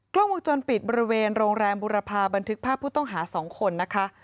กล้องวงจรปิดบริเวณโรงแรมบุรพาบันทึกภาพผู้ต้องหา๒คนนะคะ